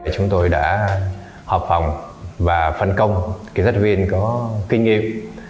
chúng tôi đã họp phòng và phân công kỹ sát viên có kinh nghiệm